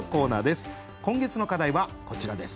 今月の課題はこちらです。